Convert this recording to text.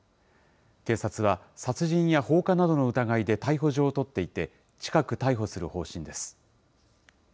警察は殺人や放火などの疑いで逮捕状を取っていて、近く逮捕する方針です。